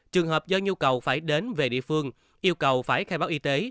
trường hợp do nhu cầu phải đến về địa phương yêu cầu phải khai báo y tế